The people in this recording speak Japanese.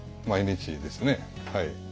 毎日ですねはい。